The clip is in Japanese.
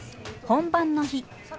本番の日。